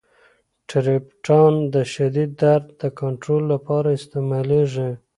ټریپټان د شدید درد د کنترول لپاره استعمالیږي.